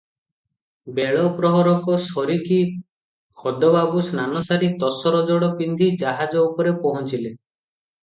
ବେଳ ପ୍ରହରକ ସରିକି ଖୋଦ ବାବୁ ସ୍ନାନସାରି ତସର ଯୋଡ଼ ପିନ୍ଧି ଜାହାଜ ଉପରେ ପହଞ୍ଚିଲେ ।